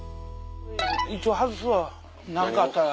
一応外すわ何かあったら。